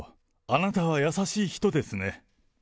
あなたは優しい人ですね。